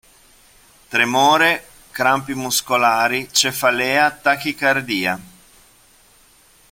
Tremore, crampi muscolari, cefalea, tachicardia.